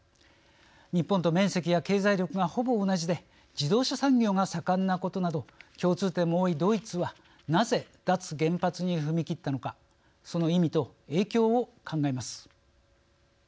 日本と面積や経済力がほぼ同じで自動車産業が盛んなことなど共通点も多いドイツはなぜ脱原発に踏み切ったのかその意味と影響を考えます。